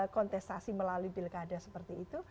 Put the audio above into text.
kontestasi melalui pilkada seperti itu